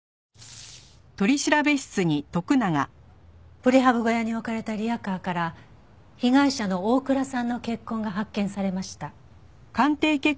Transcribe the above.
プレハブ小屋に置かれたリヤカーから被害者の大倉さんの血痕が発見されました。